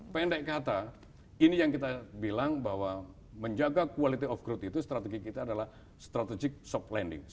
pendek kata ini yang kita bilang bahwa menjaga quality of growth itu strategi kita adalah strategic soft landing